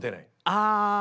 ああ！